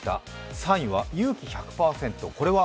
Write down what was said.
３位は「勇気１００％」、これは？